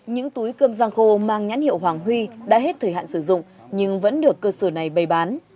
những túi cơm giang khô mang nhãn hiệu hoàng huy đã hết thời hạn sử dụng nhưng vẫn được cơ sở này bày bán